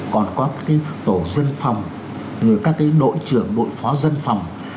còn có tổ dân phòng các đội trưởng đội phó dân phòng